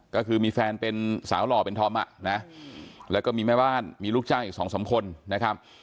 ก็คือมีแฟนเป็นสาวหล่อเป็นธอมอ่ะนะแล้วก็มีแม่บ้านมีลูกจ้างอีกสองสามคนนะครับ